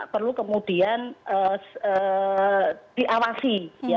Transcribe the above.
perlu kemudian diawasi